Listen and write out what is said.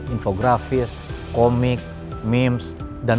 infografis komik memes dan berbagai macam sarana saranan digital ini terus kita kembangkan